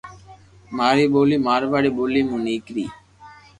ماري ٻولي مارواڙي ٻولي مون نيڪري